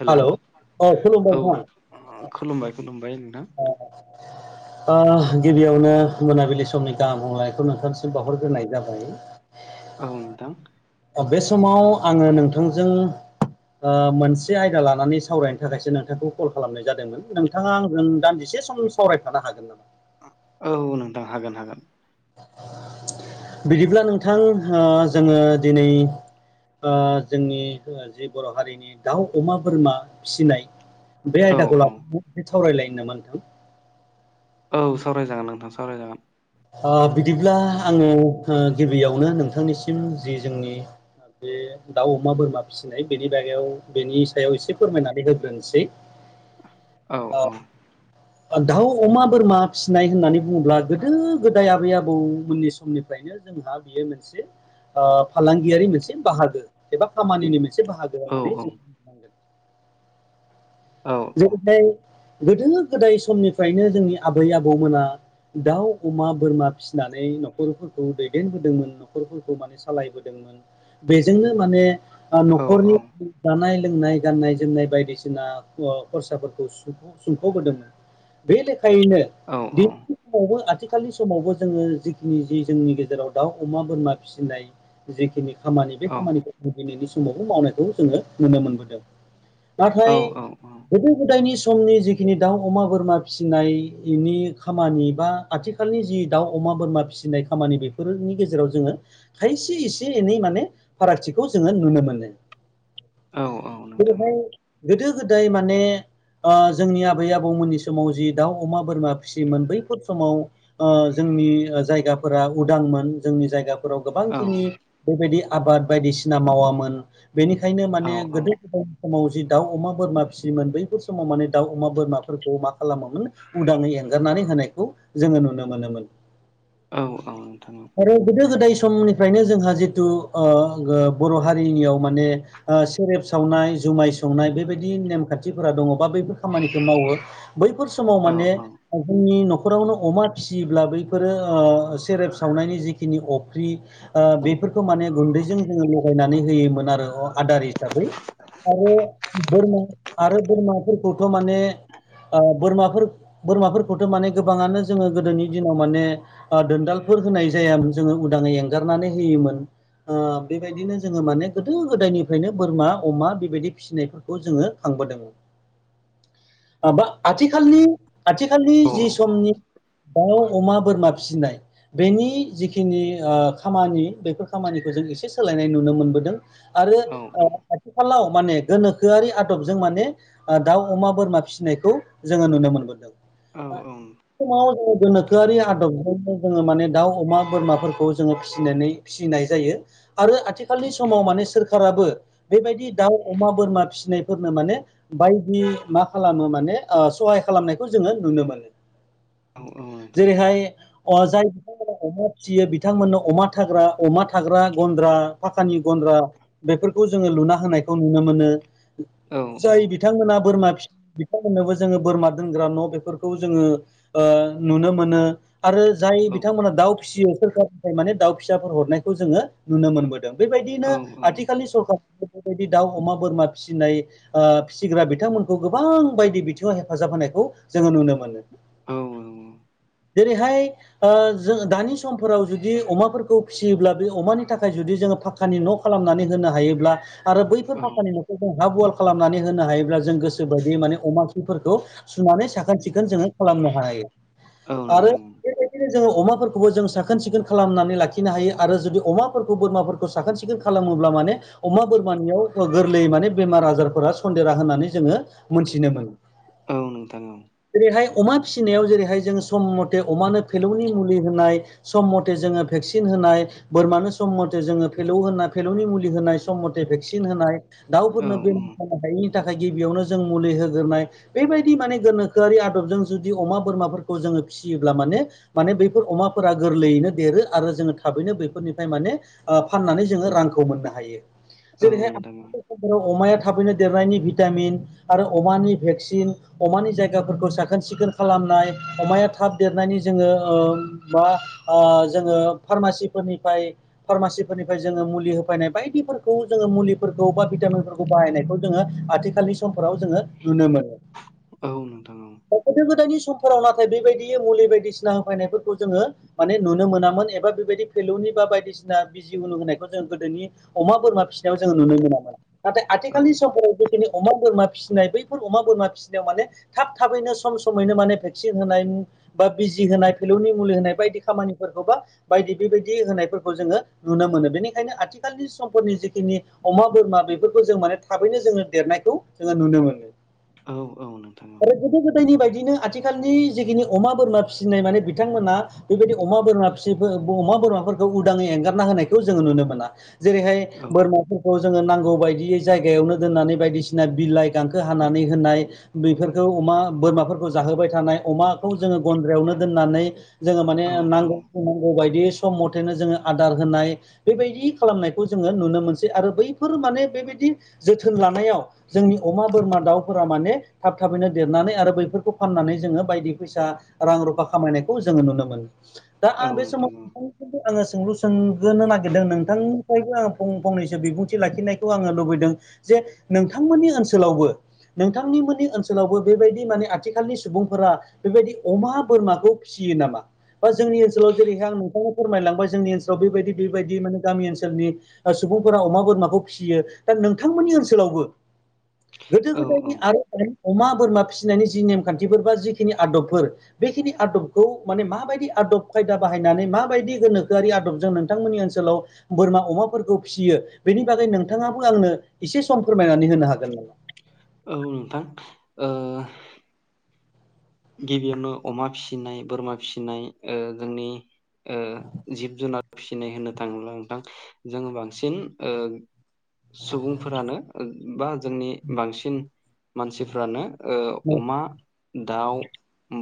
Hello औ औ खुलुमबाय खुलुमबाय खुलुमबाय नोंथां। औ गिबियावनो मोनाबिलि समनि गाहाम बुंलनायखौ नोंथांसिम बावहरग्रोनाय जाबाय। औ नोंथां बे समाव आंङो नोंथांजों ओ मोनसे आयदा लानानै सावरायनो थाखायसो नोंथांखौ कल खालामनाय जादोंमोन। नोंथांङा आंजों दान्दिसे सम सावरायफानो हागोन नामा? औ नोंथां हागोन हागोन बिदिब्ला नोंथां जोंङो दिनै जोंनि जि बर' हारिनि दाउ अमा बोरमा फिसिनाय बे औ आयदाखौ औ लानानै मोनसे सावरायलायो नामा नोंथां औ सावरायजागोन नोंथां सावरायजागोन। बिदिब्ला आंङो गिबियावनो नोंथांनिसिम जि जोंनि बे दाउ अमा बोरमा फिसिनाय बेनि बागायाव बेनि सायाव एसे फोरमायनानै होग्रोनोसै। औ औ। दाउ अमा बोरमा फिसिनाय होननानै बुङोब्ला गोदो गोदाय आबै आबौमोननि समनिफ्रायनो जोंहा बेयो मोनसे फालांगियारि मोनसे बाहागो एबा खामानिनि मोनसे बाहागो। औ होनानै जोंगोन औ जेरैहाय गोदो गोदाय समनिफ्रायनो जोंनि आबै आबौमोना। दाउ अमा बोरमा फिसिनानै न'खरफोरखौ दैदेनबोदोंमोन न'खरफोरखौ माने। सालायबोदोंमोन बेजोंनो माने औ न'खरनि जानाय लोंनाय गाननाय जोमनाय बायदिसिना खरसाफोरखौ सुंफ'ग्रदोंमोन बे लेखायैनोनै। औ समावबो आथिखालनि समावबो जोङो जिखिनि जि जोंनि गेजेराव दाउ अमा बोरमा फिसिनाय। जिखिनि खामानि बे खामानिखौ ज दिनैनि समावबो मावनायखौ जोङो नुनो मोनबोदों औ नाथाय। औ गोदो गोदायनि समनि जिखिनि दाउ अमा बोरमा फिसिनायनि खामानि बा आथिखालनि जि दाउ अमा बोरमा फिसिनाय खामानि बेफोरनि गेजेराव जोङो। खायसे इसे एनै माने फारागथिखौ जोङो नुनो मोनो। औ औ नोंथां बेहाय औ गोदो-गोदाय माने जोंनि आबै आबौमोननि समाव जि दाउ अमा बोरमा फिसियोमोन बैफोर समाव जोंनि जायगाफोरा उदांमोन जोंनि जायगा फोराव गोबां खिनि बेबायदि आबाद बायदिसिना मावामोन बेनिखायनो औ माने गोदो-गोदायनि समाव जि दाउ अमा बोरमा फिसियोमोन बैफोर समाव माने दाउ अमा बोरमाफोरखौ मा खालामोमोन उदांङै एंगारनानै होनायखौ जोंङो नुनो मोनोमोन औ औ नोंथां औ। आरो गोदो गोदाय समनिफ्रायनो जोंहा जिथु बर' हारिनियाव माने। सेरेब सावनाय जुमाय सावनाय बे बायदि दि नेम खान्थिफोरा दङ बा बैफोर खामानिखौ मावो बैफोर समाव औ माने। औ जोंनि न'खरावनो अमा फिसियोब्ला बैफोरो सेरेब सावनायनि जिखिनि अख्रि। बेफोरखौ माने गुन्दैजों जोङो लगायनानै होयोमोन आरो आदार हिसाबै। आरो बोरमा आरो बोरमाफोरखौथ' माने बोरमाफोर बोरमाफोरखौथ' माने गोबाङानो जोङो गोदोनि दिनाव माने दोनदालफोर होनाय जायामोन जोङो उदाङै एंगारनानै होयोमोन। बेबायदिनो जोङो माने गोदो गोदायनिफ्रायनो बोरमा अमा बेबायदि फिसिनाय। खौ जोङो खांबोदों बा आथिखालनि आथिखालनि औ जि समनि दाउ अमा बोरमा फिसिनाय। बेनि जिखिनि खामानि बेफोर खामानिखौ जों एसे सोलायनाय नुनो मोनबोदों। आरो औ खाथिखालाव माने गोनोखो गो गोआरि आदबजों माने दाउ अमा बोरमा फिसिनायखौ जोङो नुनो मोनबोदों। औ समाव जोङो नोंथां औ गोनोखोआरि आदब। जोङो माने दाउ अमा बोरमाफोरखौ जोङो फिसिनानै फिसिनाय जायो। आरो आथिखालनि समाव माने सोरखाराबो बेबायदि दाउ अमा बोरमा। फिसिनायफोरनो माने बायदि मा खालामो माने सहाय खालामनायखौ जोङो नुनो मोनो। औ औ नोंथां औ औ जेरैहाय जाय बिथां। अमा फिसियो बिथांमोननो अमा थाग्रा अमा थाग्रा गन्द्रा फाखानि गन्द्रा बेफोरखौ जोङो लुना होनायखौ नुनो मोनो औ जाय औ बिथांमोना बोरमा फि मनोबो जोङो बोरमा दोनग्रा न' बेफोरखौ जोङो नुनो मोनो। आरो जाय औ बिथांमोना दाउ फिसियो सोरखारनिफ्राय माने दाउ फिसाफोर हरनायखौ जोङो नुनो मोनबोदों। बेबायदिनो आथिखालनि सरखारार बेबायदि दाउ अमा बोरमा फिसिनाय‌ ओ फिसिग्रा बिथांमोनखौ गोबां बायदि बिथिङाव हेफाजाब होनायखौ जोङो नुनो मोनो। औ औ। जेरैहाय जों दानि समफोराव जुदि अमाफोरखौ फिसियोब्ला बे अमानि थाखाय जुदि जोङो फ फाखानि न' खालामनानै होनो हायोब्ला आरो बैफोर फाखानि न'। हा बल खालामनानै होनो हायोब्ला जों गोसोोबायदि माने अमा खिफोरखौ सुनानै साखोन सिखोन जोङो। खालामनो हायो नोंथां औ आरो बेबायदिनो जोङो अमाफोरखौबो जों साखोन सिखोन खालामनानै लाखिनो हायो आरो जुदि अमाफोरखौ बोरमाफोरखौ। सोन सिखोन खालामोब्ला अमा बोरमानियाव गोरलै माने बेमार आजारफोरा सन्देरा होननानै जोङो मोन्थिनो मोनो। औ नोंथां औ। जेरैहाय अमा फिसिनायाव जेरैहाय जों सम मथे अमानो फेलौनि मुलि होनाय सम मथे जोङो भेक्सिन होनाय बोरमानो सम मथे जोङो फेलौ होनाय फेलौनि मुलि होनाय सम मथे भेक्सिन होनाय औ दाउफोरनो बेमार औ खालामनो हायिनि थाखाय गिबियावनो जों मुलि होग्रोनाय बेबायदि माने गोनोखोआरि आदबजों जुदि अमा बोरमाफोरखौ जोङो फिसियोब्ला माने माने बैफोर अमाफोरा गोरलैयैनो देरो आरो जोङो थाबैनो बेैफोरनिफ्राय माने फाननानै जोङो रांखौ मोननो हायो औ जेरैहाय नोंथां औ आथिखालाव अमाया थाबैनो देरनायनि भिटामिन आरो अमानि भेक्सिन अमानि जायगाफोरखौ साखोन सिखोन खालामनाय अमाया थाब देरनायनि जोङो। ओ जोङो फार्मासिफोरनिफ्राय फार्मासिफोरनिफ्राय जोङो मुलि होफैनाय बायदिफोरखौ जोङो मुलि फोरखौ बा भिटामिनफोरखौ बाहायनायखौ जोङो आथिखालनि समफोराव जोङो नुनो मोनो। औ नोंथां औ। दा गोदो गोदायनि समफोराव नाथाय बेबायदियै मुलि बायदिसिना होफैनायफोरखौ जोङो। माने नुनो मोनामोन एबा बेबायदि फेलौनि बा बायदिसिना बिजि उनु होनायखौ जों गोदोनि अमा बोरमा फिसिनायाव जोङो नुनो मोनामोन नाथाय आथिखालनि समफोराव ज दिनै अमा बोरमा फिसिनाय बैफोर अमा बोरमा फिसिनायाव माने थाब थाबैनो सम समैनो माने भेक्सिन होनाय बा बिजि होनाय फिलौनि मुलि होनाय बायदि खामानिफोरखौबा बायदि बेबायदि होनायफोरखौ जोङो नुनो मोनो बेनिखायनो आथिखालनि समफोरनि जिखिनि अमा बोरमा बेफोरखौ जों माने थाबैनो जोङो देरनायखौ जोङो नुनो मोनो। औ औ नोंथाङ औ। आरो गोदो गोदायनि बायदिनो आथिखालनि जिखिनि अमा बोरमा फिसिनाय माने बिथांमोनहा बेबायदि अमा बोरमा फि अमा बोरमाफोरखौ उदाङै एंगारना होनायखौ जोङो नुनो मोना। जेरैहाय बोरमा खौ जोङो नांगौ बायदियै जायगायावनो दोननानै बायदिसिना बिलाइ गांखो हानानै होनाय बेफोरखौ अमा बोरमाफोरखौ जाहोबाय थानाय अमाखौ जोङो गन्द्रायावनो दोननानै जोङो माने औ नांगौ औ नांगौ बायदि सम मथेनो जोङो आदार होनाय बेबायदि खालामनायखौ जोङो नुनो मोनसै आरो बैफोर माने बेबायदि जोथोन लानायाव जोंनि अमा बोरमा दाउफोरा माने थाब थाबैनो देरनानै आरो बैफोरखौ फाननानै जोङो बायदि फैसा रां रुफा खामायनायखौ जोङो नुनो मोनो। दा आं औ बे समाव नोंथां औ नोंथांखौबो आङो सोंलु सोंगोनो नागिरदों नोंथांनिफ्रायबो आङो फंनैसो बिबुंथि लाखिनायखौ आङो लुबैदों जे नोंथांमोननि ओनसोलावबो नोंथांनिमोननि ओनसोलावबो बेबायदि माने आथिखालनि सुबुंफोरा बेबायदि अमा बोरमाखौ फिसियो नामा? बा जोंनि ओनसोलाव जेरैहाय आं नोंथाङा फोरमायलांबाय जोंनि ओनसोलाव बेबायदि बेबायदि माने गामि ओनसोलनि सुबुंफोरा अमा बोरमाखौ फिसियो दा नोंथांमोननि ओनसोलावबो गोदो औ गोदायनि आरो अमा बोरमा फिसिनायनि जि नेमखान्थिफोर बा जिखिनि आदबफोर बेखिनि आदबखौ माने माबायदि आदब खायदा बाहायनानै माबायदि गोनोखोआि आदबजों नोंथांमोननि ओनसोलाव बोरमा अमाफोरखौ फिसियो बेनि बागै नोंथाङाबो आंनो एसे सम फोरमायनानै होनो हागोन नामा? औ नोंथां गिबियावनो अमा फिसिनाय बोरमा फिसिनाय ओ जोंनि ओ जिब जुनार फिसिनाय होननो थाङोब्ला नोंथां जोङो बांसिन सुबुंफोरानो बा जोंनि बांसिन मानसिफ्रानो ओ अमा दाउ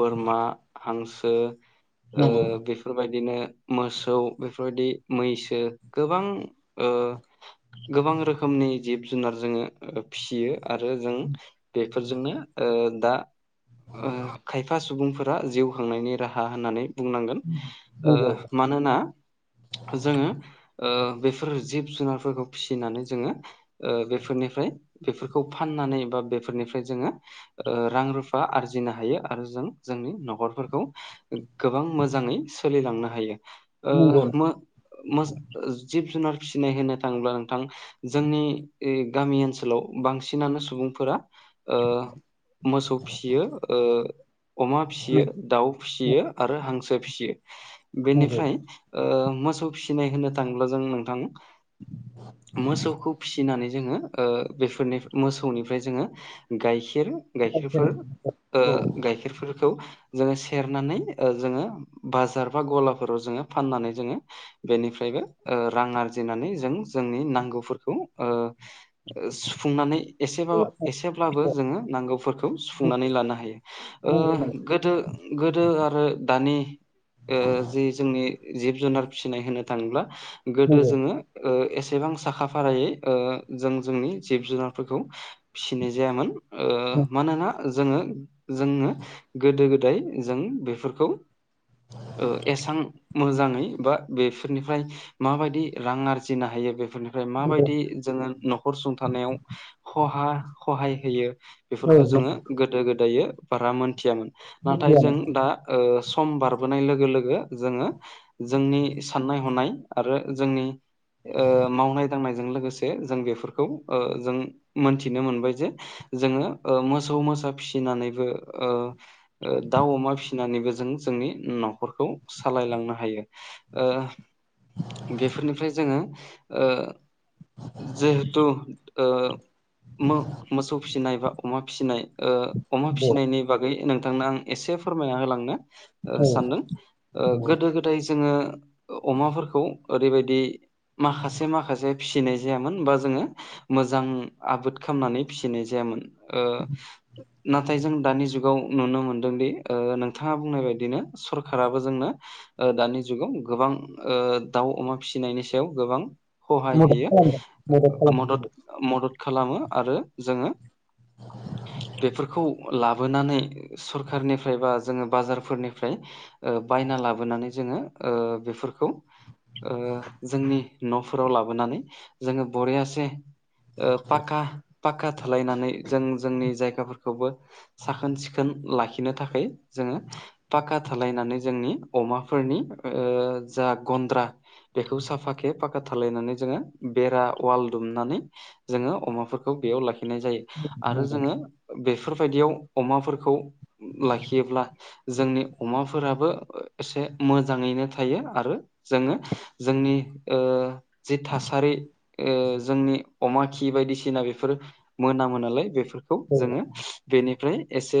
बोरमा हांसो आ नंगौ बि बेफोरबायदिनो मोसौ बेफोरबायदि मैसो गोबां ओ गोबां रोखोमनि जिब जुनार जोङो फिसियो आरो जों बे फोरजोंनो ओ दा ओ खायफा सुबुंफोरा जिउ खांनायनि राहा होननानै बुंनांगोन ओ नंगौ मानोना जोङो ओ बेफोर जिब जुनारफोरखौ फिसिनानै जोङो ओ बेफोरनिफ्राय बेफोरखौ फाननानै बा बेफोरनिफ्राय जोङो ओ रां रुफा आरजिनो हायो। आरो जों जोंनि न'खरफोरखौ गोबां मोजाङै सोलिलांनो हायो। नंगौ नंगौ जिब जुनार फिसिनाय होनो थाङोब्ला नोंथां जोंनि ओ गामि ओनसोलाव बांसिनानो सुबुंफोरा मोसौ फियो अमा फियो दाउ फिसियो आरो हांसो फियो बेनिफ्राय मोसौ फिसिनाय होनो थाङोब्ला जों नोंथां मोसौखौ फिसिनानै ओ जोङो बेफोरनि मोसौनिफ्राय जोङो गाइखेर गाइखेरफोर औ गाइखेरफोरखौ जोङो सेरनानै जोङो बाजार बा गलाफोराव जोङो फाननानै जोङो बेनिफ्रायबो ओ रां आरजिनानै जों जोंनि नांगौफोरखौ ओ ओ सुफुंनानै एसेबा एसेब्लाबो जोङो नांगौफोरखौ सुफुंनानै लानो हायो ओ गोदो गोदो आरो दानि ओ जि जोंनि जिब जुनार फिसिनाय होनो थाङोब्ला गोदो जोङो ओ एसेबां साखा फारायै ओ जों जोंनि जिब जुनारफोरखौ ओ फिसिनाय जायामोन मानोना जोङो जोङो गोदो गोदाय जों बेफोरखौ ओ एसां मोजाङै बा बेफोरनिफ्राय माबायदि रां आरजिनो हायो बेफोरनिफ्राय माबायदि जोङो न'खर सुंथानायावहा हहाय होयो बेफोरखौ नंगौ जोङो गोदो गोदाय बारा मोनथियामोन नाथाय जों दा ओ सम बारबोनाय लोगो लोगो जोङो जोंनि साननाय हनाय आरो जोंनि मावनाय दांनायजों लोगोसे जों बेफोरखौ जों मोनथिनो मोनबाय जे जोङो ओ मोसौ मोसा फिसिनानैबो ओ दाउ अमा फिसिनानैबो जों जोंनि न'खरखौ सालायलांनो हायो। ओ बेफोरनिफ्राय ओ जोङो जिहेथु ओ मो मोसौ फिसिनाय बा अमा फिनाय ओ अमा फिसिनाय नोंथांनो आं एसे फोरमायना होलांनो औ सानदों ओ नंगौ औ गोदो गोदाय नाथाय जोङो अमाफोरखौ ओरैबायदि माखासे माखासे फिसिनाय जायामोन बा जोङो मोजां आबाद खालामनानै फिसिनाय जायामोन। नाथाय जों दानि जुगाव नुनो मोनदोंदि नोंथाङा बुंनाय बायदिनो सरखाराबो जोंनो। दानि जुगाव गोबां दाउ अमा फिसिनायनि सायाव गोबां। सहाय मदद होयो खालामदों मदद। खालामदों मदद खालामो आरो जोङो बे लाबोनानै सरखारनिफ्राय बा जोङो बाजारफोरनिफ्राय बायना लाबोनानै जोङो बेफोरखौ जोंनि न'फोराव लाबोनानै जोङो बरियासे पा पाक्का थालायनानै जों जोंनि जायगा खौबो साखोन सिखोन लाखिनो थाखाय जोङो। पाक्का थालायनानै जोंनि अमाफोरनि जा गन्द्रा बेखौ साफााखे फाक्का थालायनानै जोङो बेरा वाल दुमनानै जोङो अमाफोरखौ बेयाव लाखिनाय जायो आरो नंगौ जोङो बेफोरबायदियाव अमाफोरखौ लाखियोब्ला जोंनि अमाफोराबो एसे मोजाङैनो थायो आरो। जोङो जोंनि जि थासारि जोंनि। अमा खि बायदिसिना बेफोर मोनामो नालाय बेफोरखौ औ जोङो। बेनिफ्राय एसे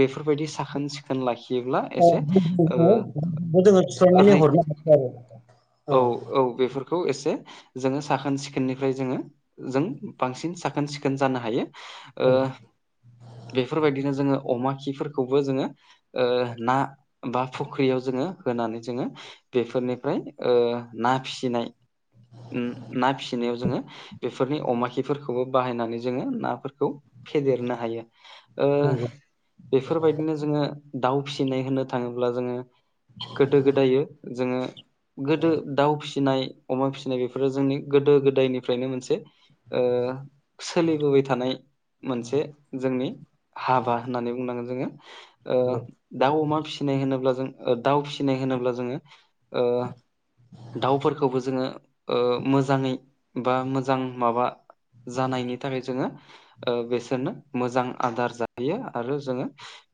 बेफोरबायदि साखोन सिखोन लाखियोब्ला ओ एसे जोङो जा औ औ बेफोरखौ एसे जोङो साखोन सिखोननिफ्राय जोङो। जों बांसिन साखोन सिखोन जानो हायो। बेफोरबायदिनो जोङो अमा खिफोरखौबो जोङो ना बा फुख्रियाव जोङो होनानै जोङो बेफोरनिफ्राय ना फिसिनाय ना फिसिनायाव जोङो बेफोरनि अमा खिफोरखौबो बाहायनानै जोङो नाफोरखौ फेदेरनो हायो। बेफोरबायदिनो जोङो दाउ फिसिनाय होनो थाङोब्ला जोङो। गोदो गोदायो जोङो गोदो दाउ फिसिनाय अमा फिसिनाय बेफोरो जोंनि गोदो गोदायनिफ्रायनो मोनसे ओ सोलिबोबाय थानाय मोनसे जोंनि हाबा होननानै बुंनांगोन जोङो। ओ दाउ अमा फिसिनाय होनोब्ला जों दाउ फिसिनाय होनोब्ला जोङो। दाउफोरखौबो जोङो ओ मोजाङै बा मोजां माबा जानायनि थाखाय जोङो ओ बेसोरनो मोजां आदार जाहैयो आरो जोङो।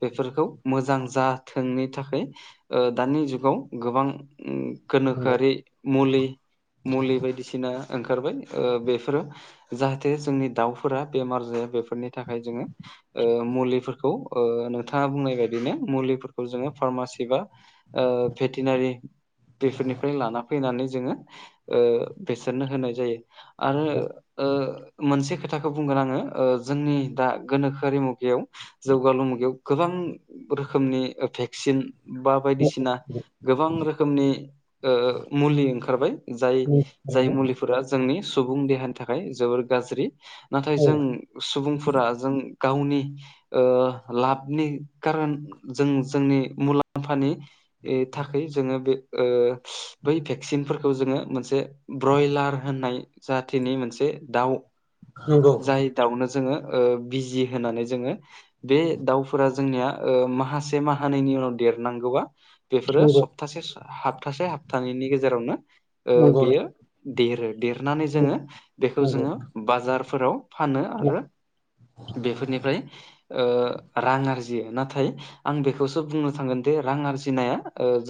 बेफोरखौ मोजां जाथोंनि थाखाय ओ दानि जुगाव गोबां गोनोखोआरि मुलि मुलि बायदिसिना ओंखारबाय बेफोरो जाहाथे जोंनि दाउफोरा बेमार जाया बेफोरनि थाखाय जोङो। ओ मुलिफोरखौ ओ नोंथाङा बुंनाय बायदिनो मुलि जोङो फार्मासि बा ओ भेटेनारि बेफोरनिफ्राय लाना फैनानै जोङो ओ बेसोरनो होनाय जायो। आरो मोनसे खोथाखौ बुंगोन आङो ओ जोंनि दा गोनोखोआरि मुगायाव जौगालु मुगायाव गोबां रोखोमनि भेक्सिन बा बायदिसिना गोबां रोखोमनि मुलि ओंखारबाय औ नंगौ जाय जाय मुलिफोरा जोंनि सुबुं देहानि थाखाय जोबोर गाज्रि नाथाय जों सुबुंफोरा जों गावनि ओ लाबनि कारन जों जोंनि मुलाम्फानि थाखै जोङो बे ओ बै भेक्सिनफोरखौ जोङो मोनसे ब्रयलार होननाय जाथिनि मोनसे दावउ थारैनो जाय दाउनो जोङो ओ बिजि होनानै जोङो बे दाउफोरा जोंनिया माहासे माहानैैनि उनाव देरनांगौ। औ बेफोरो नंगौ सप्तासे हाबतासे हाबथानैनि गेजेरावनो नंगौ नंगौ बेयो देरो। देरनानै जोङो बेखौ नंगौ जोङो बाजारफोराव फानो आरो बेफोरनिफ्राय रां आरजियो नाथाय आं बेखौसो बुंनो थांगोन दिे रां आरजिनाया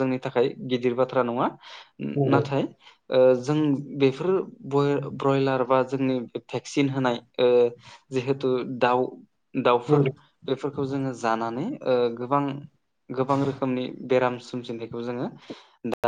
जोंनि थाखाय गिदिर बाथ्रा नङा नंगौ नाथाय। ओ जों बेफोर ब्रयलार बा जोंनि भेक्सिन होनाय ओ जिहेतु दाउ दाउफोर नंगौ बेफोरखौ जोङो जानानै गोबां गोबां रोखोमनि बेराम सोमजिनायखौ जोङो दा